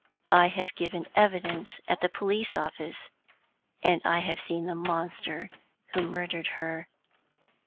I have given evidence at the police office, and have seen the monster who murdered her.